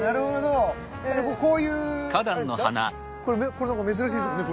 これなんか珍しいですもんね？